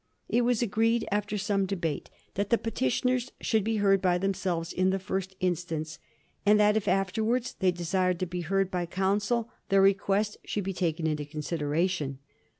It was agreed, after some debate, that the petitioners should be heard by themselves in the first instance, and that if afterwards they desired to be heard by counsel their request should be taken into consideration.